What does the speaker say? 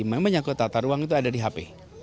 yang menyakutkan tata ruang itu ada di hp